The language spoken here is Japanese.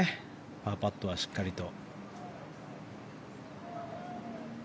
パーパットはしっかりと。